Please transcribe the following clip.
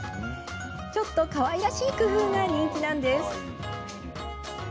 ちょっとかわいらしい工夫が人気なんです。